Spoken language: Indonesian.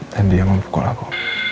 dan dia mau pukul aku